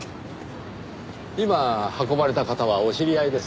今運ばれた方はお知り合いですか？